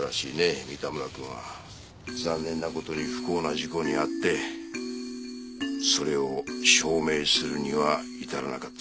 残念な事に不幸な事故に遭ってそれを証明するには至らなかったがね。